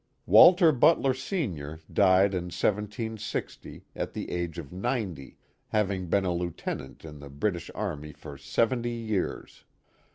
Walter Butler, Sr., died in 1760, at the age of ninety, hav ing been a lieutenant in the British army for seventy years.